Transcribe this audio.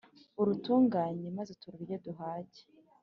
urutunganye maze tururye duhage